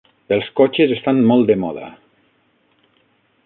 Els cotxes estan molt de moda.